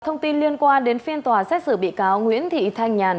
thông tin liên quan đến phiên tòa xét xử bị cáo nguyễn thị thanh nhàn